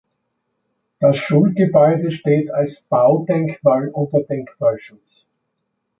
Das Schulgebäude steht als Baudenkmal unter Denkmalschutz.